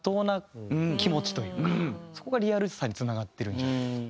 そこがリアルさにつながってるんじゃないかと。